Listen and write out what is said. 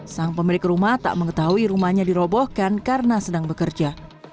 sang pemilik rumah tak mengetahui rumahnya dirobohkan karena sedang bekerja